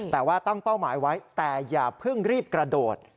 แต่ว่าตั้งเป้าหมายไว้แต่อย่าเพิ่งรีบกระโดด